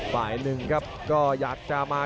ฝ่ายหนึ่งครับก็อยากจะมา